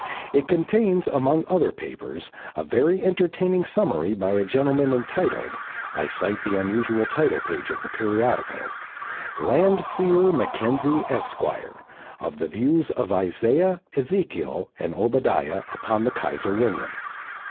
It contains among other papers a very entertaining summary by a gentleman entitled I cite the unusual title page of the periodical "Landseer Mackenzie, Esq.," of the views of Isaiah, Ezekiel, and Obadiah upon the Kaiser William.